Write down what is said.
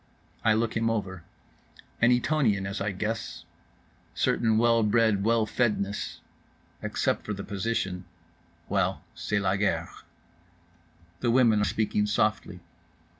I look him over; an Etonian, as I guess. Certain well bred well fedness. Except for the position—well, c'est la guerre. The women are speaking softly.